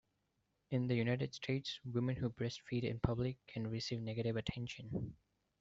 In the United States, women who breast-feed in public can receive negative attention.